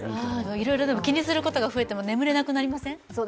いろいろ気になることが増えても、眠れなくなりません？